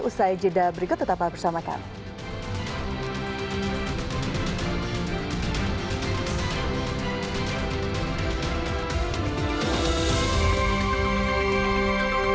usai jeda berikut tetaplah bersama kami